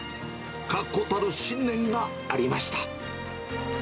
確固たる信念がありました。